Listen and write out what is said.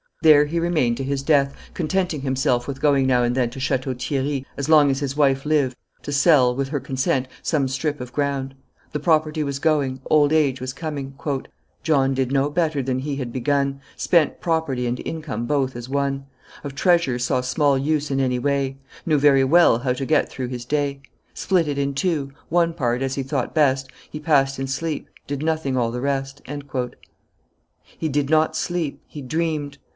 There he remained to his death, contenting himself with going now and then to Chateau Thierry, as long as his wife lived, to sell, with her consent, some strip of ground. The property was going, old age was coming: "John did no better than he had begun, Spent property and income both as one: Of treasure saw small use in any way; Knew very well how to get through his day; Split it in two: one part, as he thought best, He passed in sleep did nothing all the rest." He did not sleep, he dreamed.